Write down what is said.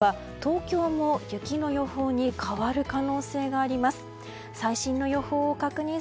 特に金曜日は東京も雪の予報に変わる可能性があります。